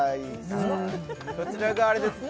こちらがあれですね